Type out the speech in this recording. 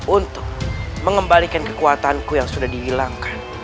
untuk mengembalikan kekuatanku yang sudah dihilangkan